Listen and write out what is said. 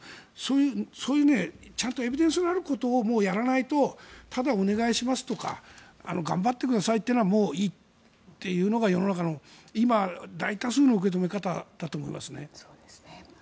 そういうエビデンスがあることをやらないとただお願いしますとか頑張ってくださいというのはもういいっていうのが世の中の大多数の受け止め方だと思います。